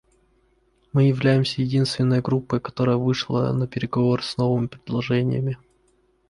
Мы являемся единственной группой, которая вышла на переговоры с новыми предложениями.